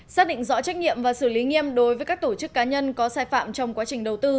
xác định rõ trách nhiệm và xử lý nghiêm đối với các tổ chức cá nhân có sai phạm trong quá trình đầu tư